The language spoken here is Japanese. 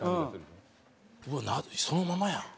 そのままやん